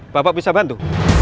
bapak bisa bantu